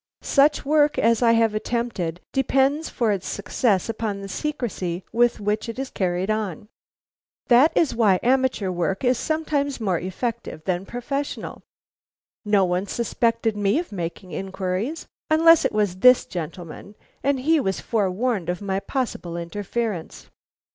Such work as I have attempted depends for its success upon the secrecy with which it is carried on. That is why amateur work is sometimes more effective than professional. No one suspected me of making inquiries, unless it was this gentleman, and he was forewarned of my possible interference.